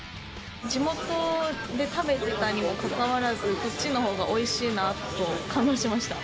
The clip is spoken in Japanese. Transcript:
地元で食べてたにもかかわらず、こっちのほうがおいしいなと感動しました。